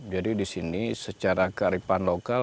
jadi disini secara kearifan lokal